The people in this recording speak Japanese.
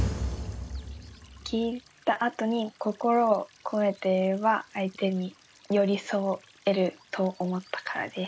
聞いたあとに心をこめて言えば相手に寄り添えると思ったからです。